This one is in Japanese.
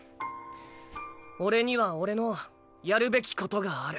俺には俺のやるべきことがある。